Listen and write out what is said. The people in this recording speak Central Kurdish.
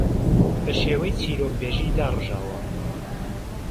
بە شێوەی چیرۆکبێژی داڕژاوە